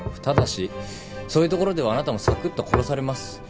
ただしそういう所ではあなたもさくっと殺されます。